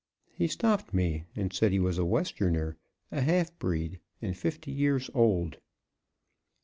He stopped me, and said he was a Westerner, a half breed, and fifty years old.